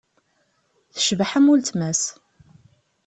Tecbeḥ am weltma-s.